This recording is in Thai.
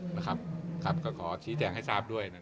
และครับครับก็ขอชี้แจ่งให้ทราบด้วยนะครับ